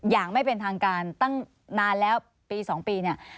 อย่างไม่เป็นทางการตั้งนานแล้วปี๒ปีเนี่ย